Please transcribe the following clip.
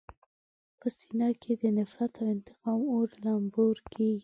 په سینه کې د نفرت او انتقام اور لمبور کېږي.